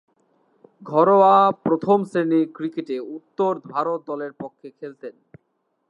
ঘরোয়া প্রথম-শ্রেণীর ক্রিকেটে উত্তর ভারত দলের পক্ষে খেলতেন।